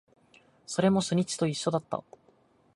それも初日と一緒だった